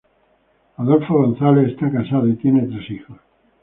Adolfo González está casado y tiene tres hijos.